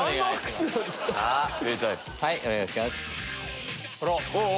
はいお願いします。